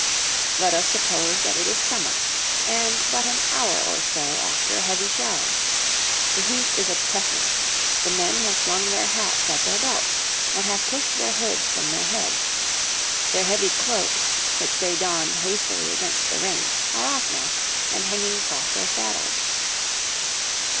Let us suppose that it is summer, and but an hour or so after a heavy shower. The heat is oppressive: the men have slung their hats at their belts, and have pushed their hoods from their heads; their heavy cloaks, which they donned hastily against the rain, are off now, and hanging across their saddles.